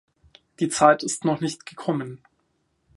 Die Zeit ist noch nicht gekommen.